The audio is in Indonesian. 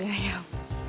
thanks ya mon